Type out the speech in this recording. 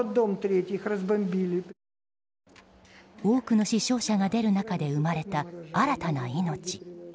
多くの死傷者が出る中で生まれた新たな命。